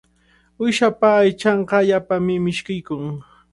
Uyshapa aychanqa allaapami mishkiykun.